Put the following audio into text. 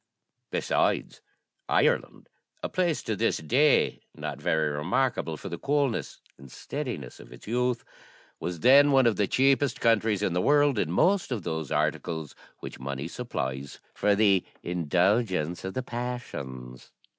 Besides, Ireland, a place to this day not very remarkable for the coolness and steadiness of its youth, was then one of the cheapest countries in the world in most of those articles which money supplies for the indulgence of the passions.